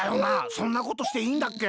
そんなことしていいんだっけ？